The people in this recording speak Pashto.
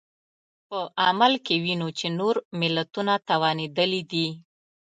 په عمل کې وینو چې نور ملتونه توانېدلي دي.